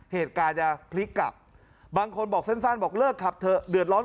เหตุการณ์จะพลิกกลับบางคนบอกสั้นบอกเลิกขับเถอะเดือดร้อน